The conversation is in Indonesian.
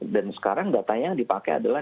sekarang datanya yang dipakai adalah